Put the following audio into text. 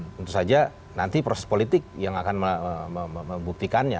tentu saja nanti proses politik yang akan membuktikannya